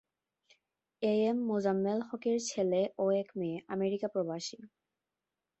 Am Mozammel হকের ছেলে ও এক মেয়ে আমেরিকা প্রবাসী।